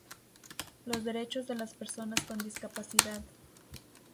Los derechos de las personas con discapacidad.